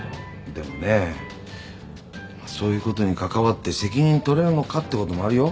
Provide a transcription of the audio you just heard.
でもねそういうことに関わって責任取れるのかってこともあるよ。